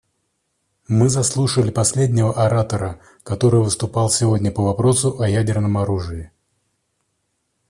Мы заслушали последнего оратора, который выступал сегодня по вопросу о ядерном оружии.